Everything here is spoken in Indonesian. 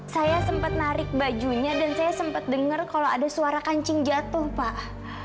saya sempat narik bajunya dan saya sempat dengar kalau ada suara kancing jatuh pak